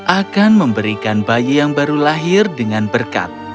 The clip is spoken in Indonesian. akan memberikan bayi yang baru lahir dengan berkat